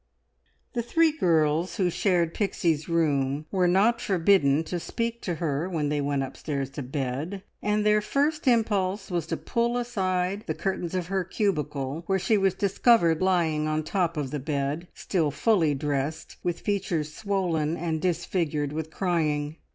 The three girls who shared Pixie's room were not forbidden to speak to her when they went upstairs to bed, and their first impulse was to pull aside the curtains of her cubicle, where she was discovered lying on the top of the bed, still fully dressed, with features swollen and disfigured with crying.